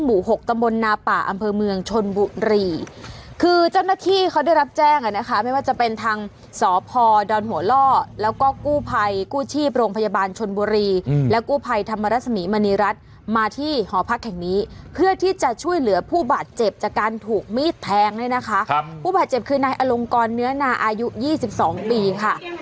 หกตำบลนาป่าอำเภอเมืองชนบุรีคือเจ้าหน้าที่เขาได้รับแจ้งอ่ะนะคะไม่ว่าจะเป็นทางสพดอนหัวล่อแล้วก็กู้ภัยกู้ชีพโรงพยาบาลชนบุรีและกู้ภัยธรรมรสมีมณีรัฐมาที่หอพักแห่งนี้เพื่อที่จะช่วยเหลือผู้บาดเจ็บจากการถูกมีดแทงเนี่ยนะคะครับผู้บาดเจ็บคือนายอลงกรเนื้อนาอายุยี่สิบสองปีค่ะ